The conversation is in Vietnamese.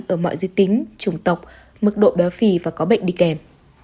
ở mọi giới tính trùng tộc mức độ béo phì và có bệnh đi kèm